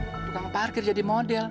pegang parkir jadi model